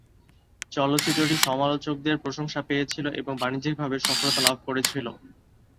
চলচ্চিত্রটি সমালোচকদের প্রশংসা পেয়েছিল এবং বাণিজ্যিকভাবে সফলতা লাভ করেছিল।